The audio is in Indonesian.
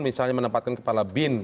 misalnya menempatkan kepala bin